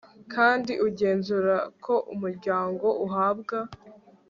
kandi ugenzure ko umuryango uhabwa